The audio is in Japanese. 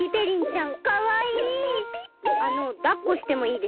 あのだっこしてもいいですか？